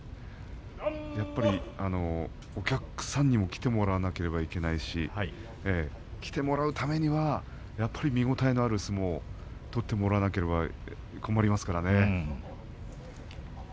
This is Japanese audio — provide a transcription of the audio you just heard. やっぱりお客さんにも来てもらわなければいけないし来てもらうためにはやっぱり見応えのある相撲取ってもらわなければ困りますからね。